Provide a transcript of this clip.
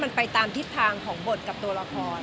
มันไปตามทิศทางของบทกับตัวละคร